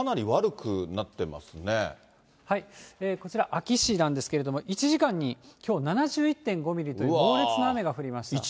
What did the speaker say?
こちら、安芸市なんですけれども、１時間にきょう、７１．５ミリという猛烈な雨が降りました。